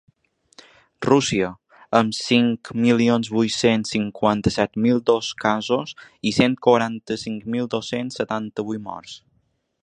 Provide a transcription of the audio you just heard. Rússia, amb cinc milions vuit-cents cinquanta-set mil dos casos i cent quaranta-cinc mil dos-cents setanta-vuit morts.